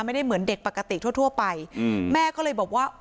ไม่ได้เหมือนเด็กปกติทั่วทั่วไปอืมแม่ก็เลยบอกว่า